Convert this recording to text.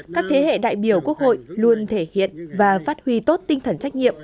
các thế hệ đại biểu quốc hội luôn thể hiện và phát huy tốt tinh thần trách nhiệm